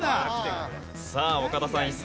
さあ岡田さん